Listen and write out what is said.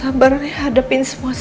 aku mengenai bingung